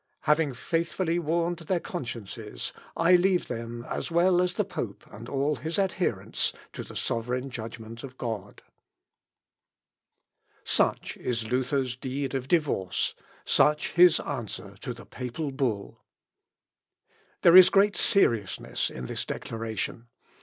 Having faithfully warned their consciences, I leave them, as well as the pope, and all his adherents, to the sovereign judgment of God." Et papæ, impio homini, plus quam Deo obediant. (Ibid.) Such is Luther's deed of divorce, such his answer to the papal bull. There is great seriousness in this declaration.